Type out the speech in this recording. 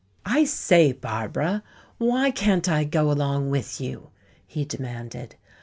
"I say, Barbara, why can't I go along with you?" he demanded.